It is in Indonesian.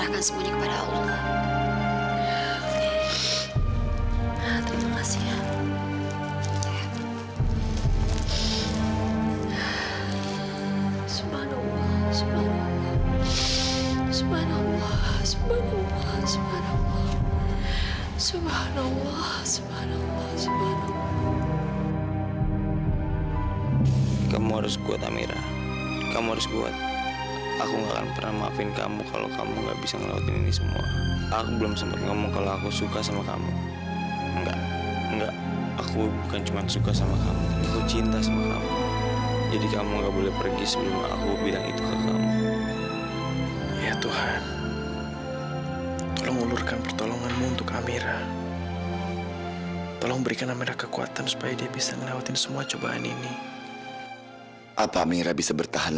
kalau papa sholat dan dia sholat sambil nangis ben